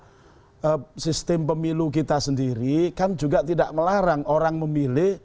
politik kok dilarang padahal sistem pemilu kita sendiri kan juga tidak melarang orang memilih